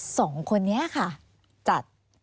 สองคนนี้ค่ะจัด